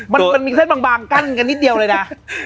มันมีเส้นบางกั้นกันนิดเดียวเลยนะ